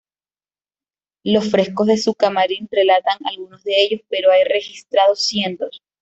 Los frescos de su camarín relatan algunos de ellos, pero hay registrados cientos.